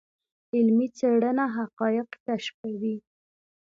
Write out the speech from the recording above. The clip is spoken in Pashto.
علمي څېړنه حقایق کشفوي.